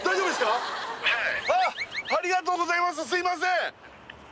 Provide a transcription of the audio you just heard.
すいません！